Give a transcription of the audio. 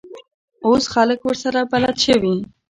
اوس خلک ورسره بلد شوي.